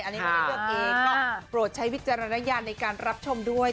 อันนี้ไม่ได้เลือกเองก็โปรดใช้วิจารณญาณในการรับชมด้วย